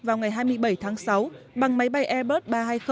vào ngày hai mươi bảy tháng sáu bằng máy bay airbus ba trăm hai mươi